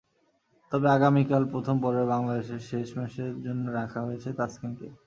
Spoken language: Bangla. তবে আগামীকাল প্রথম পর্বে বাংলাদেশের শেষ ম্যাচের জন্য রাখা হয়েছে তাসকিনকে।